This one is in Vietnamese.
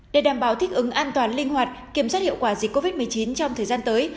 để đảm bảo thích ứng an toàn linh hoạt kiểm soát hiệu quả dịch covid một mươi chín trong thời gian tới